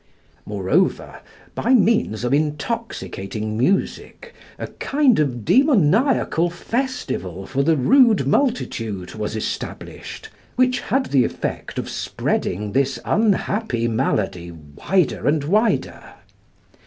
Moreover, by means of intoxicating music a kind of demoniacal festival for the rude multitude was established, which had the effect of spreading this unhappy malady wider and wider.